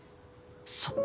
そっか。